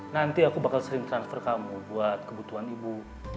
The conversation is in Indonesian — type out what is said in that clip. nanti aku bakal sering transfer kamu buat kebutuhan ibu